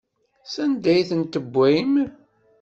Sanda ay tent-tewwim?